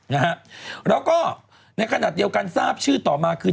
นะฮะแล้วก็ในขณะเดียวกันทราบชื่อต่อมาคือ